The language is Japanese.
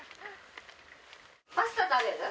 パスタ食べる？